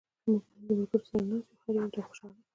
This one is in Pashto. موږ نن د ملګرو سره ناست یو. هر یو خوشحاله دا.